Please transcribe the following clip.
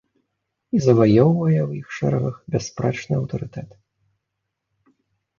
І заваёўвае ў іх шэрагах бясспрэчны аўтарытэт.